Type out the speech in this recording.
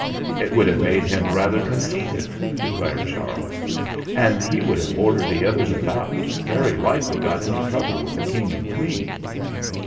"It would have made him rather conceited," declared Charles. "And he would have ordered the others about and very likely got into trouble with the King and Queen."